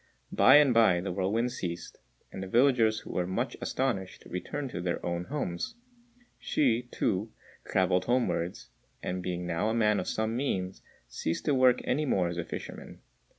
By and by the whirlwind ceased, and the villagers, who were much astonished, returned to their own homes. Hsü, too, travelled homewards, and being now a man of some means, ceased to work any more as a fisherman.